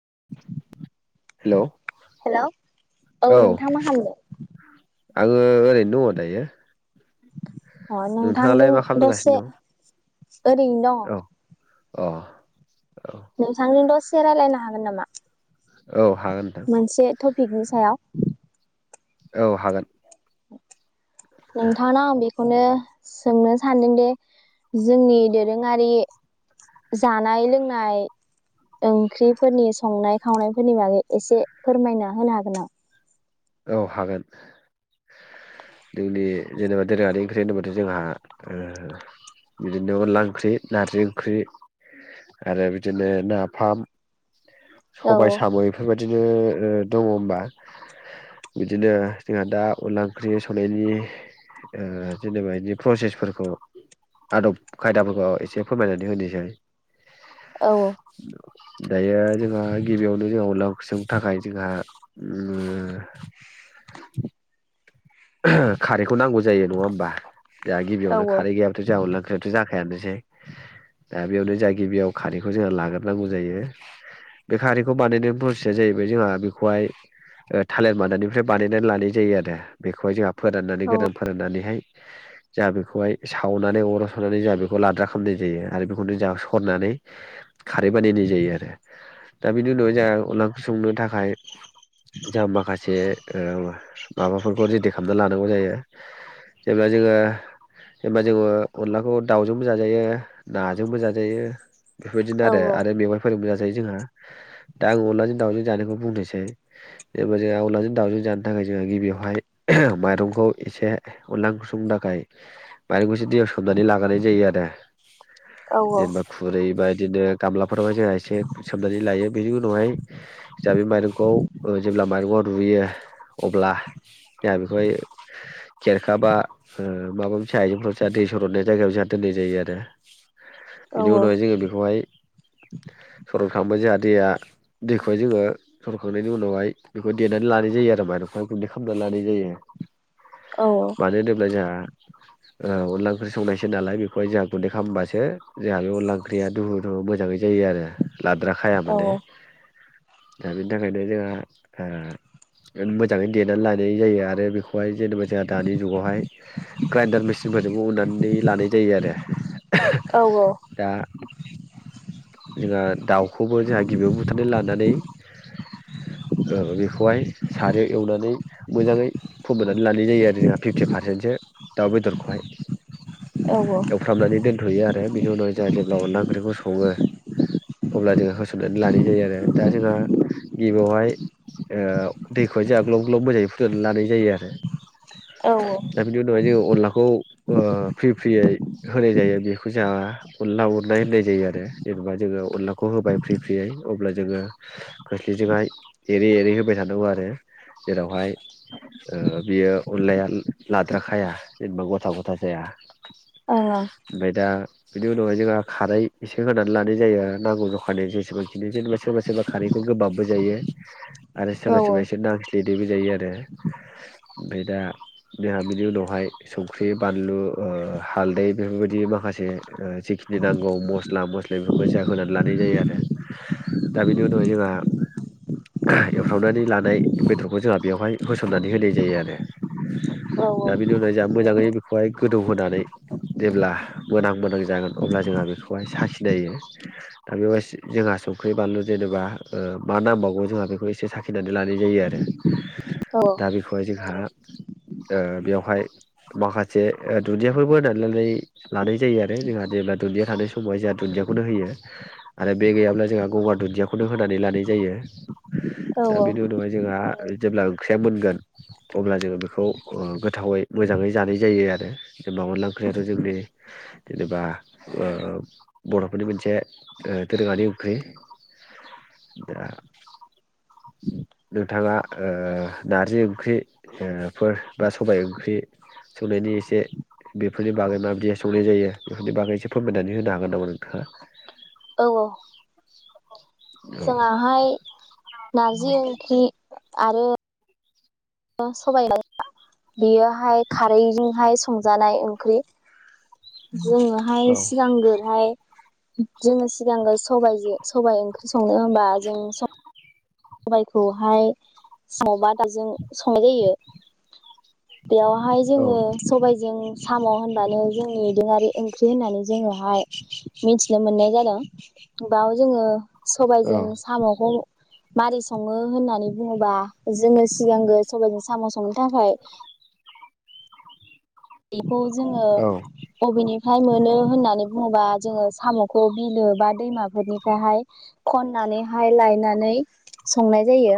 [inaudible] Hello hello औ नोंथां मा खालामामदों? आङो ओरैनो दङ दायो। अ, नोंथाङालाय नोंथांजों मा दसे खालामगासिनो ओरैनो दङ। दं औ अ औ नोंथांजों दसेे रायलायनो हागोन नामा? औ। हागोन नोंथां मोनसे टपिकनि सायाव? औ हागोन। नोंथांनाव आं बेखौनो सोंनो सान्दोंदि जोंनि दोरोङारि जानाय लोंनाय ओंख्रिफोरनि संनाय खावनायफोरनि बागै एसे फोरमायना होनो हागोन नामा? औ हागोन। जोंनि जेनेबा दोरोङारि ओंख्रि होनोबथाय जोंहा ओ बिदिनो अनला ओंख्रि, नारजि ओंख्रि, आरो बिदिनो नाफाम औ सबाय साम' बेफोरबाय दिनो ओ दङ होमबा बिदिनो जोंहा दा अनला ओंख्रि संनायनि ओ जेनेबा बिदि प्रसेसफोरखौ आदब खायदाफोरखौ एसे फोरमायनानै होनोसै। औ दायो जोंहा गिबियावनो जोंहा अनला ओंख्रि संनो थाखाय जोंहा ओ खारैखौ नांगौ जायो नङा होमबा। जोहा औ गिबियावनो खारै गैयाब्लाथ' जाहा अनला ओं ख्रियाथ' जाखायानोसै। दा बेयावनो जाहा गिबियाव खारैखौ जोंहा लाग्रोनांगौ जायो। बे खारैखौ बानायनायनि फ्रसेसया जाहैबाय जोंहा बेखौहाय ओ थालिर मादानिफ्राय बानायनानै लानाय जायो आरो। बेखौहाय जोंहा फोराननानै गोदान फोराननानैहाय जोंहा बेखौहाय सावनानै अराव सावनानै जोंहा बेखौ लाद्रा खालामामनाय जायो आरो बेखौनो जों सरनानै खारै बानायनाय जायो आरो। दा बिनि उनावहाय जोंहा अनला ओंख्रि संनो थाखाय जोंहा माखासे ओ माबा फोरखौ रेदि खालामना लानांगौ जायो। जेब्ला जोङो जेनबा जोङो अनलाखौ दाउजोंबो जाजायो नाजोंबो जाजायो औ बेफोरबायदिनो आरो मेवाइ फोरजोंबो जा जायो जोंहा दा आं अनलाजों दावजों जानायखौ बुंनोसै। जेनेबा जोंहा अनलाजों दाउजों जानो थाखाय जोंहा गिबियावहाय माइरंखौ एसे अनला ओंख्रि थाखाय माइरंखौ एसे दैयाव सोमनानै लाग्रोनाय जायो आरो। औ जेनबा खुरै बा बिदिनो गामलाफोरावाय जोंहा एसे सोमनानै लायो बेनि उनावहाय जोंहा बे माइरंखौ ओ जेब्ला माइरंआ रुयो अब्ला। जोंहा बेखौहाय खेरखाबा, ओ माबा मोनसे आइजेंफोराव जोंहा दै सरननाय जायगायाव जोंहा दोननाय जायो आरो। बिनि उनावहाय जोङो बेखौहाय। सर'खांबाय जोंहा दैया दैखौहाय जोङो सर'खांनायनि उनावहाय बेखौ देनानै लानाय जायो आरो माइरंखौ गुनदै। खालामना लानाय जायो। औ मानो होनोब्ला जोंहा। ओ अनला ओंख्रि संनायसो नालाय बेखौहाय जोंहा गुन्दै खालामबासो जोंहा बे अनला ओंख्रिया दुहु दुहु मोजाङै जायो आरो। लाद्राखाया औ ओं औ माने दा बेनि थाखायनो जोंहा ओ मोजाङै देनानै लानाय जायो आरो, बेखौहाय जेनेबा जोंहा दानि जुगावहाय ग्राइडार मेसिनफोरजोंबो उननानै लानाय जायो आरो। औ दा। जोंहा दाउखौबो जोंहा गिबियाव बुथारनानै लानानै, ओ बेखौहाय सारायाव एवनानै नै मोजाङै फोमोननानै लानाय जायो आरो जोंहा फिफटि पारसेन्टसो दाउ बेदरखौहाय। एवफ्रामनानै दोनथ'यो आरो। बिनि उनाव जोंहा जेब्ला अनला ओंख्रिखौ सङो, अब्ला जोंङो होसननानै लानाय जायो आरो दा जोंहा गिबियावहाय ओ दैखौहाय जोंहा ग्लब ग्लब मोजाङै फुदुंना लानाय जायो आरो। औ दा बिनि उनावहाय अनला खौ फ्रि फ्रियै होनाय जायो। बेखौ जोंहा अनला उरनाय होननाय जायो आरो। जेनेबा जोङो अनलाखौ होबाय फ्रि फ्रियै अब्ला जोङो खोस्लिजोंहाय एरै एरै होबाय थानांगौ आरो। जेरावहाय ओ बियो अनलाया लाद्रा खाया जेनेबा गथा गथा जाया। बे दा। बिनि उनावहाय जोंहा खारै एसे होनानै लानाय जायो आरो, नांगौ जखानि जेसेबांखिनि जेनेबा सोरबा सोरबा खारैखौ गोबाबबो जायो। आरो सोरबा सोरबा सेदैबो जायो आरो ओमफ्राय दा जोंहा बिनि उनावहाय संख्रि बानलु ओ हालदै बेफोरबायदि माखासे जिखिनि नांगौ मस्ला-मस्लि बेफोरखौ जों होनानै लानाय जायो आरो। दा बेनि उनावहाय जोंहा एवफ्रामनानै लानाय। बेदरखौ जोंहा बेवहाय होसननानै होनाय जायो आरो। दा बिनि उनाव मोजाङै बेखौहाय गोदौहोनानै जेब्ला, मोनहां मोनहां जागोन अब्ला जोंहा बेखौहाय साखिनायो। दा बेवहाय जोंहा संख्रि बानलु जेनेबा मा नांबावगौ जोंहा बेखौ एसे साखिनानै लानो लानाय जायो आरो। दा बिखौहाय जोंहा। बेवहाय माखासे दुन्दियाफोरबो होनानै लानाय जायो आरो। जोंहा जेब्ला दुन्दिया थानाय समावहाय जोंहा दुन्दियाखौनो होयो आरो बे गैयाब्ला जोंहा गंगार दुन्दियाखौनो होनानै लानाय जायो। औ औ। बिनि उनावहाय जोंहा। जेब्ला ओंख्रिया मोनगोन। अब्ला जोङो बेखौ गोथावै मोजाङै जानाय जायो आरो जेनेबा अनला ओंख्रियाथ जोंनि जेनेबा बरफोरनि मोनसे दोरोङारि ओंख्रि। दा नोंथाङा नारजि ओंख्रिफोर बा सबाय ओंख्रि संनायनि एसे बेफोरनि बागै माबायदिहाय संनाय जायो बेफोरनि बागै एसे फोरमायनानै होनो हागोन नामा नोंथाङा? औ। औ। जोंहाहाय नारजि जि ओंख्रि आरो सबाइ बियोहाय खारैजोंहाय सं जानाय ओंख्रि जोङोहाय औ सिगांग्रोहाय जोङो सिगांग्रो सबयजो सबाय ओंख्रि संनो हबा जोंनो सबाइ स [inaudible] [unintelligible] बायखौहाय सिङावबा दाजों संनाय जायो बेयावहाय औ जोङो सबायजों साम होनबानो जोंनिदोङारि ओंख्रि होननानै जोङोहाय मिथिनो मोननाय जादों बाव जोङो औ सबायजों सामखौ मारै सङो होननानै बुङोबा जोङो सिगांगो सबाइजों साम संनो थाखाय खौ जोङो औ बबेनि फाय मोनो होननानै बुङोबा जोङो सामखौ बिलो बा दैमाफोरनिफ्रायहाय खननानैहाय लायनानै संनाय जायो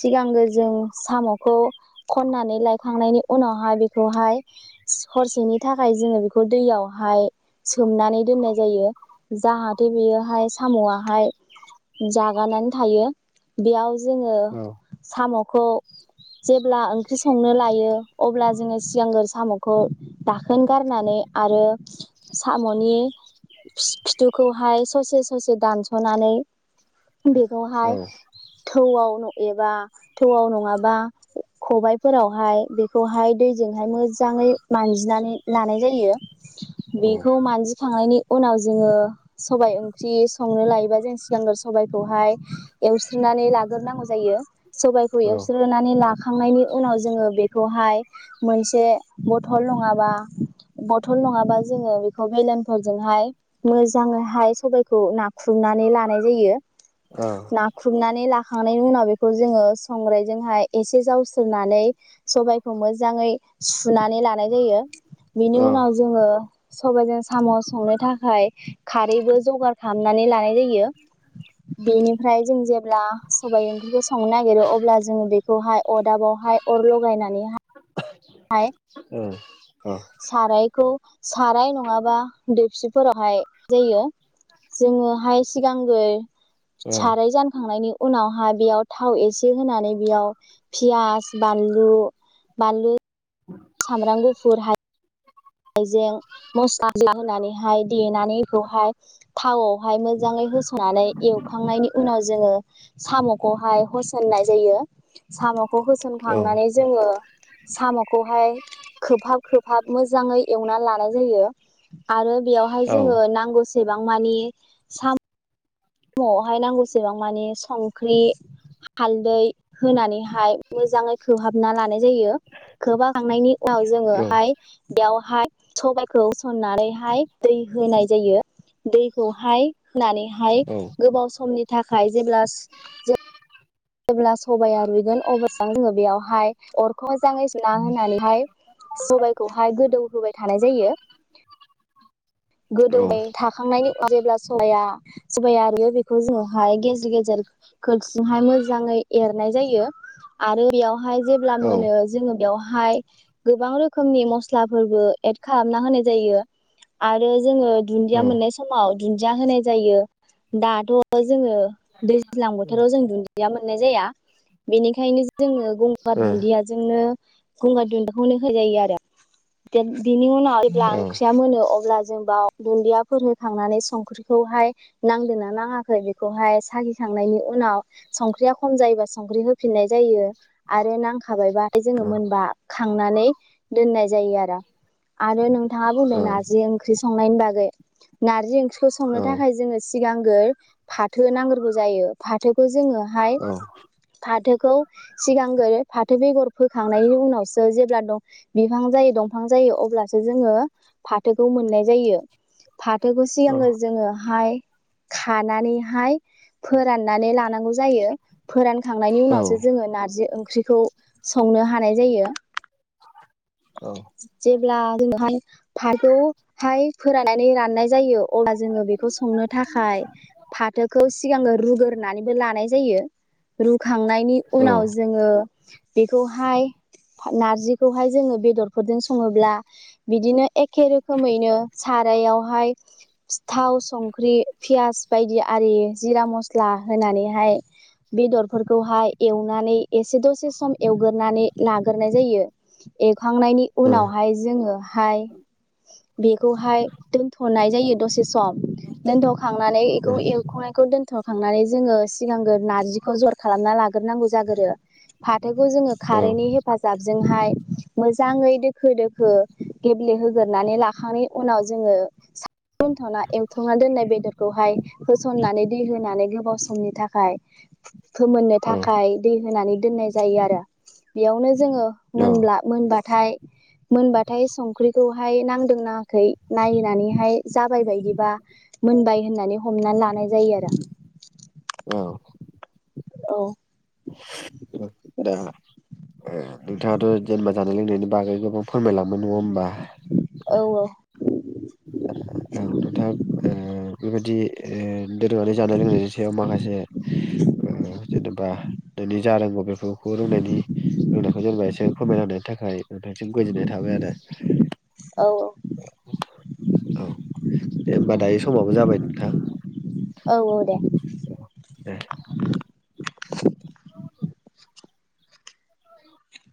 सिगांग्रो जों सामखौ खननानै लायखांनायनि उनावहाय बेखौहाय हरसेनि थाखाय जोङो बेखौ दैयावहाय सोमनानै दोननाय जायो जाहाथे बेयोहाय सामआहाय जागानानै थायो बेयाव जोङो साम' खौ जेब्ला ओंख्रि संनो लायो अब्ला जोङो सिगांग्रो साम' खौ दाखोन गारनानै आरो सामनि खिथुखौहाय ससे ससे दानस'नानै औ बेखौहाय थौआव नो एबा थौआव नङाबा खबायाइफोरावहाय बेखौहाय दैजोंहाय मोजाङै मानजिनानै लानाय जायो बेखौ मानजिखांनायनि उनाव जोङो सबाय ओंख्रि संनो लायोबा जों सिगांग्रो सबायखौहाय एवस्रोनानै लाग्रोनांगौ जायो। सबायखौ एवस्रोनानै ला खांनायनि उनाव जोङो बेखौहाय मोनसे बथल नङाबा बथल नङाबा जोङो बेखौ बेलेनफोरजोंहाय मोजाङैहाय सबायखौ नाख्रुरनानै लानाय जायो। नाख्रुबनानानै ला खांनायनि उनाव बेखौ जोङो संग्रायजोंहाय एसे जावसोरनानै सबाइखौ मोजाङै सुनानै लानाय जायो। बिनि औ उनाव जोङो सबायाइजों साम' संनो थाखाय खारैबो जगार खालामनानै लानाय जायो। बेनिफ्राय जों जे ब्ला सबाय ओंख्रिखौ संनो नागिर अब्ला जोङो बे खौहाय अरदाबावहाय अर लगायनानै औ। सारायखौ साराय नङाबा देसिफोरावहाय जायो। जोंङोहाय सिगांग्रो साराय जानखांनायनि उनावहा बेयाव थाव एसे होनानै बेयाव पियास बानलु बानलु खामब्राम गुफुर हाइ जें मस्लाखौ होनानैहाय देनानै बेखौहाय थावावहाय मोजाङै होसानै एवखांनायनि उनाव जोंङो साम'खौहाय होसननाय जायो साम' खौ होसनखांनानै जोंङो साम'खौहाय खोबहाब खोबहाब मोजाङै एवनानै लानाय जायो आरो बेयावहाय औ जोंङो नांगौ एसेबां मानि सा म'आवहाय नांगौसेबां मानि संख्रि हालदै होनानैहाय मोजाङै खोहाबना लानाय जायो। खोबहाबखांनायनि उनाव औ जोंङोहाय बेयाव हाय सबायाइखौ होसननानैहाय दै होनाय जायो दैखौहाय होनानैहाय औ गोबाव समनि थाखाय जेब्ला [inaudible] जेब्ला सबाया रुइगोन अब्ला जोंङो बेयावहाय अरखौ मोजांङै सुना होनानैहाय सबायखौहाय गोदौ होबाय थानाय जायो। औ गोदौबाय थाखांनायनि उनाव जेब्ला सबाया सबाया रुइयो बेखौ जोङोहाय गेजेर गेजेर खोरथिंजोंहाय मोजाङै एरनाय जायो आरो बेयाव हाय जेब्ला मोनो जोंङो बेयाव हाय गोबां रोखोमनि मस्लाफोरबो एड खालामना होनाय जायो। आरो जोंङो दुन्दिया मोननाय समाव दुन्जिया होनाय जायो दाथ' जोंङो दैज्लां बोथोराव जों दुन जिया मोननाय जाया बेनिखायनो जों जोङो गंगार दुन्दियाजोंनो गंगार दुन्दिखौनो होजायो आरो [unintelligible] बिनि उनाव जेब्ला ओंख्रिया मोनो अब ब्ला जों बाव दुन्दियाफोर होखांनानै संख्रिखौहाय नांदोंना नाङाखै बेखौहाय सागिखांनायनि उनाव संख्रिया खम जायोबा संख्रि होफिननाय जायो आरो नां खाबायबाथाय जोङो मोनबा खां नानै दोननाय जायो आरो आरो नों थाङा बुंदों नारजि ओं ख्रि संनायनि बागै नारजि ओंख्रि खौ संनो थाखाय जोङो सि सिगांगोर फाथो नांग्रो जायो फाथोखौ जोङो हाय फाथो खौ सिगांगोर फाथो बेगर फोखांनायनि उनावसो जेब्ला द बिफां जायो दंफां जायो अब्लासो जोङो फाथो खौ मोननाय जायो फाथोखौ सिगाङो जोङोहाय खानानैहाय फोराननानै लानांगौ जायो फोरान खांनायनि उनाव सो खौ संनो हानाय जायो जेब्ला जोङोहाय फाथोखौहाय फोरानानै राननाय जायो अब्ला जोङो बेखौ संनो थाखाय फाथोखौ सिगाङो रुगोरनानैबो लानाय जा जायो रु खांनायनि उनाव जोङो बेखौहाय फाव नारजिखौहाय जोङो बेदरफोरजों सङोब्ला बिदिनो एखे रोखोमैनो सारायावहाय फि थाव संख्रि फियास बायदि आरि जिरा मस्ला होनानैहाय बेदरफोरखौहाय एवनानै एसे दसे सम एवगोरनानै लागोरनाय जायो खांनायनि उनावहाय जोङोहाय बेखौहाय थनाय जायो दसे सम [unintelligible] खांनानै एखौ एवखांनायखौ दोन दोनथ'खांनानै जोङो सिगांग्रो नारजिखौ जर खालामना लाग्रोनांगौ जागोरो फाथोखौ जोङो खारैनि हेफाजाबजोंहाय [unintelligible] मोजाङै दोखो दोखो गेब्लेहोगोरोनानै लाखांनायनि उनाव जोङो दोनथ'ना एवथ्रमना दोननाय बेदर खौहाय होसननानै दै होनानै गोबाव समनि थाखाय फोमोननो थाखाय दै होनानै दोननाय जायो आरो बेयावनो जोङो मोनब्ला होमबाथाय मोनबाथाय संख्रिखौ ओमफाय नांदों नाङाखै नायनानैहाय जाबाय बायदिबा मोनबाय होननानै हमनानै लानाय जायो आरो। औ। दा ओं नोंथाङाथ जेनेबा जानाय लोंनायनि बागै गोबां फोरमायलां नङा होमबा? औ औ दथा ए [unintelligible] बेबायदि ओ दोरोङारि जानाय लोंनायनि सायाव माखासे ओ जेनेबा नोंनि जा नांगौ बे बेखौ रोंनायनि रोंनायखौ जेनेबा एसे फोरमायलांनायनि थाखाय नोंथांसिम गोजोननाय थाबाय आरो। औ औ दे होमबा दायो समाबो जाबाय नोंथां औ दे औ दे।